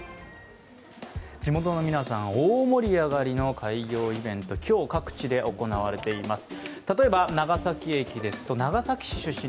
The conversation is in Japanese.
地元の皆さん、大盛り上がりの開業イベント、今日、各地で行われています。